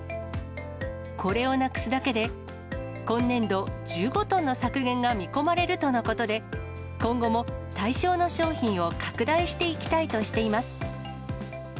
これをなくすだけで、今年度、１５トンの削減が見込まれるとのことで、今後も対象の商品を拡大していきたいとしています。